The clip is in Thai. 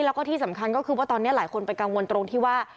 แล้วก็ที่สำคัญก็คือว่าตอนนี้หลายคนไปกังวลตรงที่ว่า